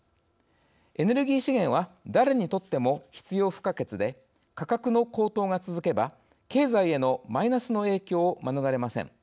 エネルギー資源は誰にとっても必要不可欠で価格の高騰が続けば経済へのマイナスの影響を免れません。